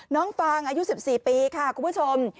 ฟังอายุ๑๔ปีค่ะคุณผู้ชม